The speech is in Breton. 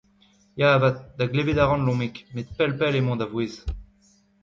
Ya avat, da glevet a ran Lomig, met pell-pell emañ da vouezh.